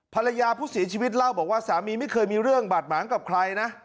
ภรรยาผู้เสียชีวิตเล่าบอกว่าสามีไม่เคยมีเรื่องบาดหมางกับใครนะ